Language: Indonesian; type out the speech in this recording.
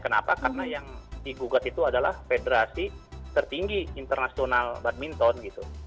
kenapa karena yang digugat itu adalah federasi tertinggi internasional badminton gitu